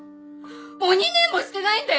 もう２年もしてないんだよ！